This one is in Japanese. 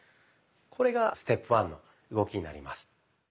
これがステップワンの動きになります。